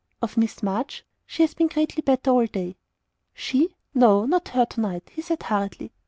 "Of Miss March? She has been greatly better all day." "She? No, not her to night!" he said, hurriedly.